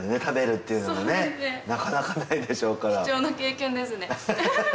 食べるっていうのもねなかなかないでしょうから。